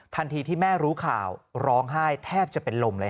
ที่แม่รู้ข่าวร้องไห้แทบจะเป็นลมเลย